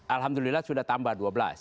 alhamdulillah sudah tambah dua belas